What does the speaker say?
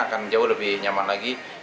akan jauh lebih nyaman lagi